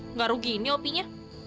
nggak rugi ini opinya